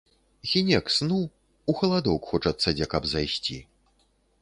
Хіне к сну, у халадок хочацца дзе каб зайсці.